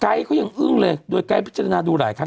เขายังอึ้งเลยโดยไกด์พิจารณาดูหลายครั้ง